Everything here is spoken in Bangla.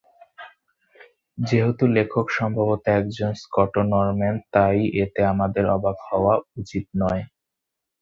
যেহেতু লেখক সম্ভবত একজন স্কটো-নরম্যান, তাই এতে আমাদের অবাক হওয়া উচিত নয়।